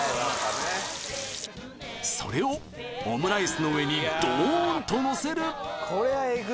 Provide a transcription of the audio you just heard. それをオムライスの上にドーンとのせる